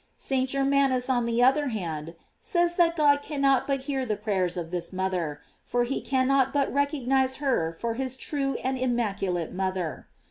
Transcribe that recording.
* St. Germanus, on the other hand, says that God cannot but hear the prayers of this mother, for he cannot but recognize her for his true and im maculate mother.